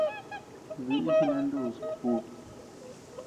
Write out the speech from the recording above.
Bíʼi jinanus kuʼu.